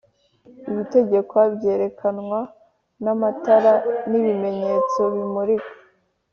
Ibitegekwa byerekanwa n amatara n’ibimenyetso bimurika